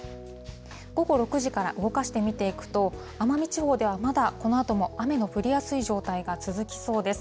午後６時から動かして見ていくと、奄美地方では、まだこのあとも雨の降りやすい状態が続きそうです。